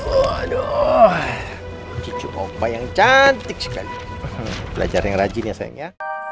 aduh cipu yang cantik sekali belajar yang rajin ya sayangnya